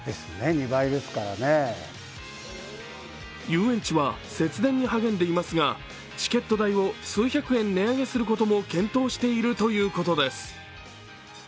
遊園地は節電に励んでいますがチケット代を数百円値上げすることも検討しているということです。